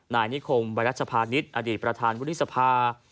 นายนิคมไบรัชพานิตอศักดิ์ประธานวุฒิสภา